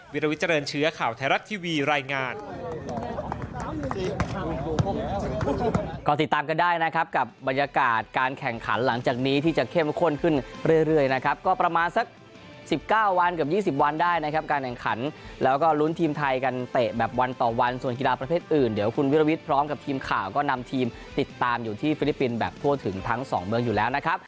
วิรวิทเจริญเชื้อข่าวไทยรัฐทีวีรายงาน